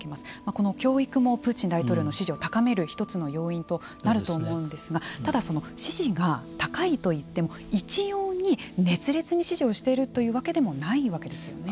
この教育もプーチン大統領の支持を高める一つの要因となると思うんですがただ、支持が高いといっても一様に熱烈に支持をしているというわけでもないわけですよね。